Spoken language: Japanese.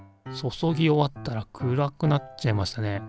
注ぎ終わったら暗くなっちゃいましたね。